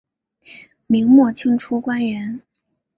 明末清初官员。